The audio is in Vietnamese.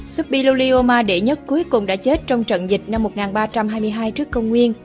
subi luli uma đệ nhất cuối cùng đã chết trong trận dịch năm một nghìn ba trăm hai mươi hai trước công nguyên